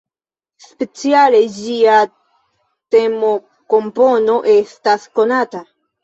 Speciale ĝia temokompono estas konata.